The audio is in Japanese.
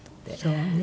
そうね。